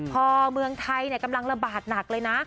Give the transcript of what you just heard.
พอเมืองไทยกำลังระบาดหนักเลยนะ